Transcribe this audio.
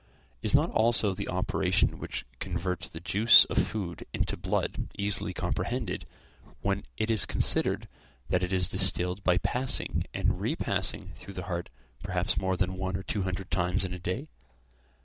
Is not also the operation which converts the juice of food into blood easily comprehended, when it is considered that it is distilled by passing and repassing through the heart perhaps more than one or two hundred times in a day?